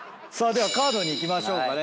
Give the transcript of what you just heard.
ではカードにいきましょうかね。